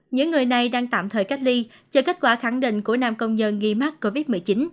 những người này đang tạm thời cách ly chờ kết quả khẳng định của nam công nhân nghi mắc covid một mươi chín